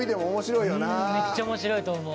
めっちゃ面白いと思う。